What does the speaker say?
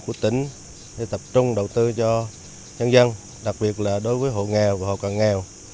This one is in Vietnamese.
của tỉnh để tập trung đầu tư cho nhân dân đặc biệt là đối với hồ nghèo và hồ càng nghèo